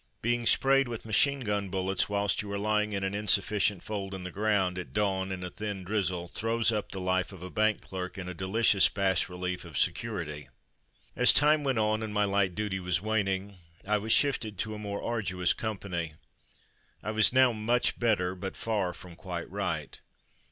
Being sprayed with machine gun bullets whilst you are lying in an insufficient fold in the ground, at dawn in a thin drizzle, throws up the life of a bank clerk in a delicious bas relief of security ! As time went on, and my light duty was waning, I was shifted to a more arduous company. I was now much better, but far from quite right.